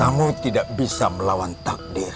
kamu tidak bisa melawan takdir